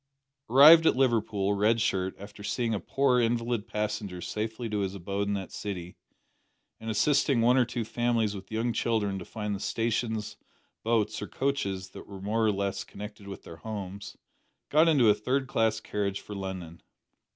Arrived at Liverpool, Red Shirt, after seeing a poor invalid passenger safely to his abode in that city, and assisting one or two families with young children to find the stations, boats, or coaches that were more or less connected with their homes, got into a third class carriage for London.